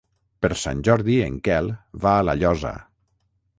Per Sant Jordi en Quel va a La Llosa.